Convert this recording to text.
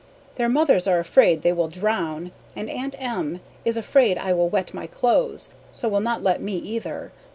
Their mothers are afraid they will drown and Aunt M. is afraid I will wet my clothes so will not let me either.